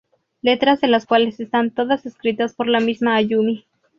Letras de las cuales están todas escritas por la misma Ayumi.